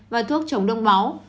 và thuốc chống đông máu